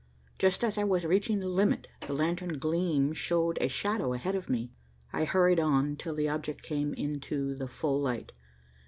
Just as I was reaching the limit, the lantern gleam showed a shadow ahead of me. I hurried on till the object came into the full light.